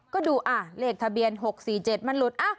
ก็ดูเลขทะเบียน๖๔๗มันหลุด